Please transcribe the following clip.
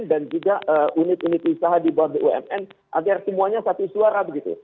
dan juga unit unit usaha di bawah bumn agar semuanya satu suara begitu